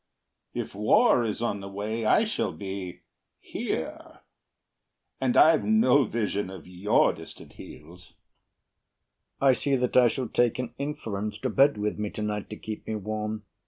If war is on the way, I shall be here; And I've no vision of your distant heels. BURR I see that I shall take an inference To bed with me to night to keep me warm.